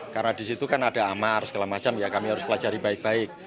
karena di situ kan ada amar segala macam ya kami harus pelajari baik baik